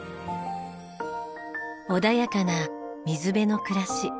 穏やかな水辺の暮らし。